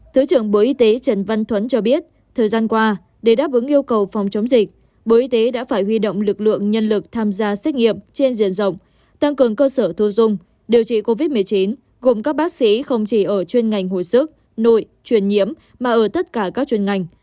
thứ trưởng bộ y tế trần văn thuấn cho biết thời gian qua để đáp ứng yêu cầu phòng chống dịch bộ y tế đã phải huy động lực lượng nhân lực tham gia xét nghiệm trên diện rộng tăng cường cơ sở thu dung điều trị covid một mươi chín gồm các bác sĩ không chỉ ở chuyên ngành hồi sức nội truyền nhiễm mà ở tất cả các chuyên ngành